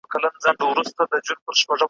د جهان سترګي یې نه ویني ړندې دي `